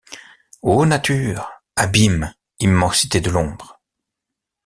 Ô nature! abîme ! immensité de l’ombre !